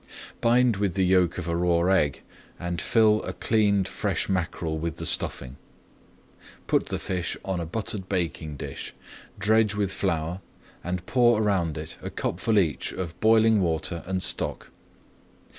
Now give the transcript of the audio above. Bind with the yolk of a raw egg and fill a cleaned fresh mackerel with the stuffing. Put the fish on a buttered baking dish, dredge with flour and pour around it a cupful each of boiling water and stock.